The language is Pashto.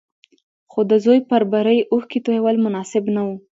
خو د زوی پر بري اوښکې تويول مناسب نه وو.